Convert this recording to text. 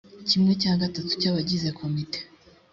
kimwe cya gatatu cy abagize komite